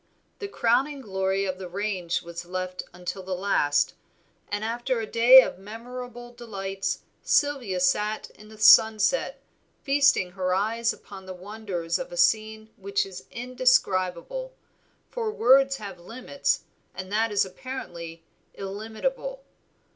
The crowning glory of the range was left until the last, and after a day of memorable delights Sylvia sat in the sunset feasting her eyes upon the wonders of a scene which is indescribable, for words have limits and that is apparently illimitable.